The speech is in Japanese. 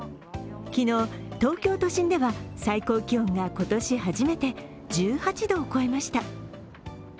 昨日、東京都心では最高気温が今年初めて１８度を超えました。